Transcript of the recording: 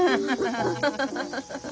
ハハハハハ。